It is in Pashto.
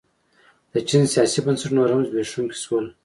د چین سیاسي بنسټونه نور هم زبېښونکي شول.